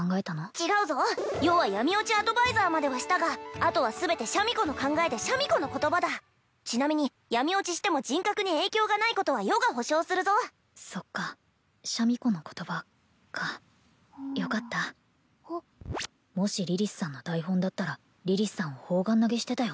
違うぞ余は闇墜ちアドバイザーまではしたがあとは全てシャミ子の考えでシャミ子の言葉だちなみに闇墜ちしても人格に影響がないことは余が保証するぞそっかシャミ子の言葉かよかったもしリリスさんの台本だったらリリスさんを砲丸投げしてたよ